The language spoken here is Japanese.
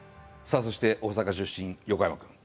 さあそして大阪出身横山君。